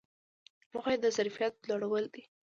موخه یې د ظرفیت لوړول دي.